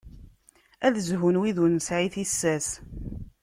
Ad zhun wid ur nesɛi tissas.